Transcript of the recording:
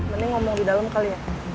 mending ngomong di dalam kali ya